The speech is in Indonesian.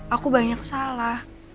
aku banyak salah